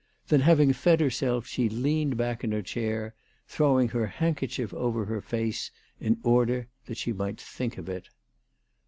Then having fed herself, she leaned back in THE TELEGRAPH GIRL. 315 her chair, throwing her handkerchief over her face, in order that she might think of it.